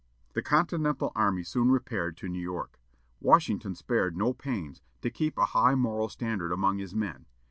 The Continental Army soon repaired to New York. Washington spared no pains to keep a high moral standard among his men.